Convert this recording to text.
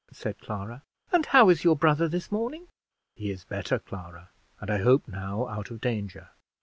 said Clara; "and how is your brother this morning?" "He is better, Clara, and I hope now out of danger."